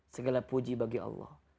segala puji bagi allah